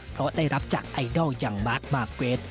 เพราะได้รับจากไอดอลอย่างมาร์คมาร์เกรด